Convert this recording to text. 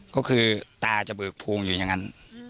ก็คือตาจะเบิกภูมิอยู่อย่างนั้น